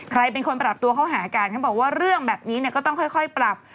ใครเป็นคนปรับตัวเข้าหากันเขาบอกว่าเรื่องแบบนี้ก็ต้องค่อยปรับ